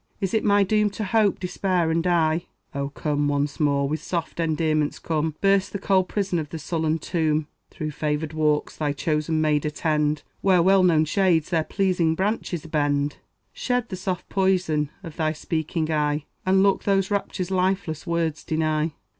Is it my doom to hope, despair, and die? O, come once more, with soft endearments come; Burst the cold prison of the sullen tomb; Through favored walks thy chosen maid attend Where well known shades their pleasing branches bend; Shed the soft poison of thy speaking eye, And look those raptures lifeless words deny.